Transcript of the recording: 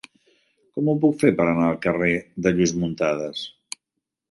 Com ho puc fer per anar al carrer de Lluís Muntadas?